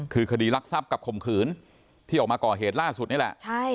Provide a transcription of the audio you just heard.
คือคดีรักทรัพย์กับข่มขืนที่ออกมาก่อเหตุล่าสุดนี่แหละ